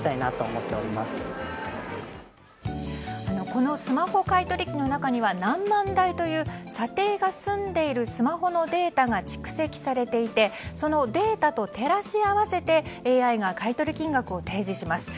このスマホ買い取り機の中には何万台という査定が済んでいるスマホのデータが蓄積されていてそのデータと照らし合わせてＡＩが買い取り金額を提示します。